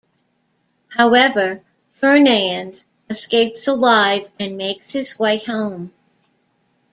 However, Fernand escapes alive and makes his way home.